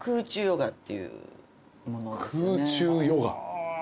空中ヨガ？